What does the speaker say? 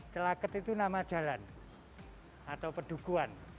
celaket itu nama jalan atau pedukuan